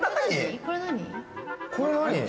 これ何？